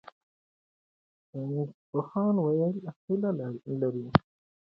ساینسپوهان هیله لري.